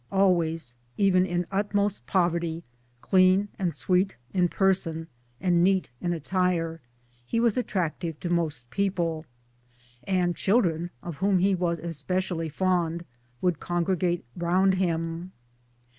Always even in utmost poverty clean and sweet in person and neat in attire, he was attractive to most people ; and children (of whom he was especially fond) would congregate round him.